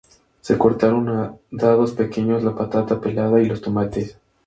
Se cortan a dados pequeños la patata pelada y los tomates.